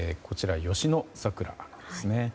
こちら、吉野桜ですね。